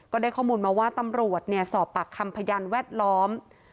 ได้ข้อมูลมาว่าตำรวจสอบปากคำพยานแวดล้อม